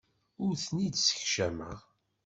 Ur ten-id-ssekcameɣ.